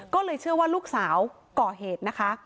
ก็เลยเชื่อว่าลูกสาวก่อเหตุนะคะ